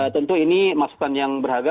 tentu ini masukan yang berharga